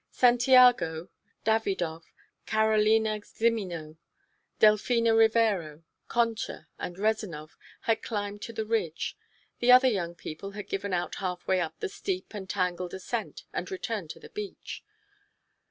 Santiago, Davidov, Carolina Xime'no, Delfina Rivera, Concha and Rezanov, had climbed to the ridge. The other young people had given out halfway up the steep and tangled ascent and returned to the beach.